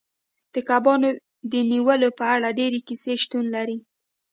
د کبانو د نیولو په اړه ډیرې کیسې شتون لري